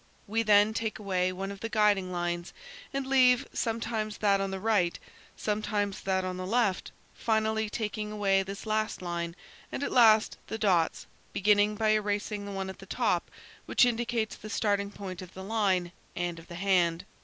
We then take away one of the guiding lines, and leave, sometimes that on the right, sometimes that on the left, finally taking away this last line and at last, the dots, beginning by erasing the one at the top which indicates the starting point of the line and of the hand.